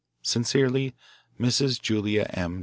Sincerely, (Mrs.) Julia M.